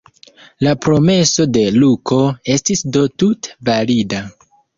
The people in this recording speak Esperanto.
La promeso de Luko estis do tute valida.